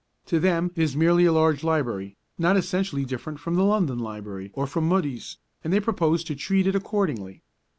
To them it is merely a large library, not essentially different from the London Library or from Mudie's, and they propose to treat it accordingly.